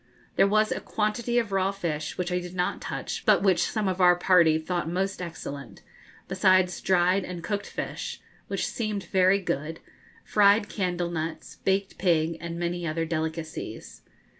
There was a quantity of raw fish, which I did not touch, but which some of our party thought most excellent, besides dried and cooked fish, which seemed very good, fried candle nuts, baked pig, and many other delicacies.